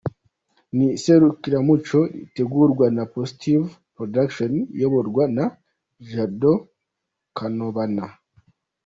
Ni iserukiramuco ritegurwa na Positive Production iyoborwa na Judo Kanobana.